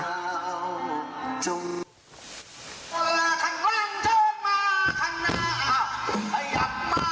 เพื่อนรักสุขมีหวังว่าจะจบหรือเป็นแรงทรายอะไรอย่างน่ะ